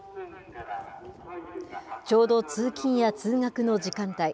ちょうど通勤や通学の時間帯。